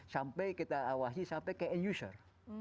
sampai kita awasi sampai ke end user